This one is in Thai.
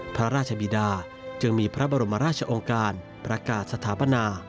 พระราชบิดาจึงมีพระบรมราชองค์การประกาศสถาปนา